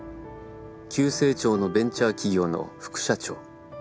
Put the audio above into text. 急成長のベンチャー企業の副社長。